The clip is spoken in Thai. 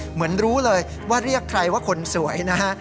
เหมือนรู้เลยว่าเรียกใครว่าคนสวยนะฮะ